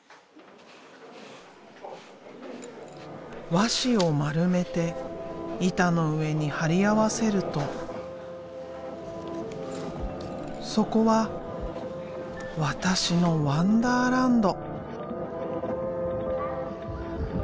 和紙を丸めて板の上に貼り合わせるとそこは私のワンダーランド。